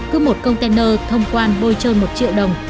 cứ một container thông quan bôi trơn một triệu đồng